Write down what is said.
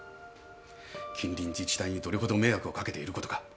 近隣自治体にどれほど迷惑を掛けていることか。